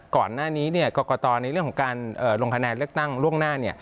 ก่อนหน้านี้กรกตในเรื่องของการลงคะแนนเลือกตั้งล่วงหน้า